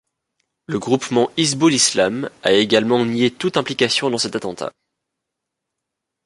Le groupement Hizbul Islam a également nié toute implication dans cet attentat.